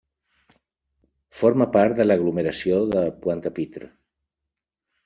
Forma part de l'aglomeració de Pointe-à-Pitre.